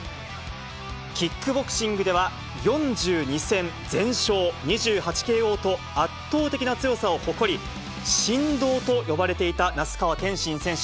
キックボクシングでは４２戦全勝、２８ＫＯと、圧倒的な強さを誇り、神童と呼ばれていた那須川天心選手。